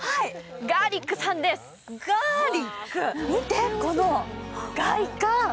見て、この外観！